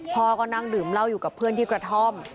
พ่อก็นั่งดื่มเหล้าอยู่กับเพื่อนที่กระท่อม